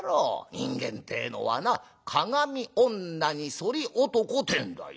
人間ってえのはな『かがみ女に反り男』ってんだよ。